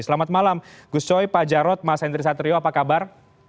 selamat malam gus coy pak jarod mas henry satrio apa kabar